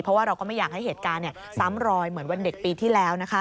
เพราะว่าเราก็ไม่อยากให้เหตุการณ์ซ้ำรอยเหมือนวันเด็กปีที่แล้วนะคะ